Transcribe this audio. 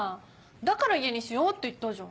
だから家にしようって言ったじゃん。